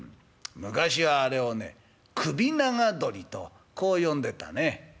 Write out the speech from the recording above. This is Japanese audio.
昔はあれをね首長鳥とこう呼んでたね」。